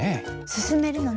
進めるのね。